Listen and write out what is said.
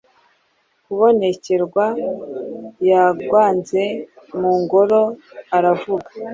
Kubonekerwa, yaguanze mu Ngoro, aravuga